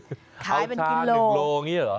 เอาชา๑โลอย่างนี้เหรอ